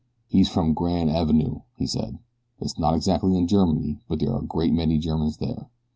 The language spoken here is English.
"He's from 'Gran' Avenoo,'" he said. "It is not exactly in Germany; but there are a great many Germans there.